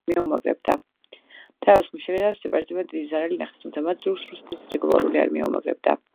თავდასხმის შედეგად სეპარატისტებმა დიდი ზარალი ნახეს თუმცა მათ ზურგს რუსეთის რეგულარული არმია უმაგრებდა.